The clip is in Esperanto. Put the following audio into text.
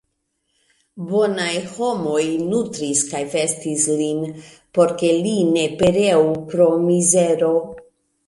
Bonaj homoj nutris kaj vestis lin, por ke li ne pereu pro mizero.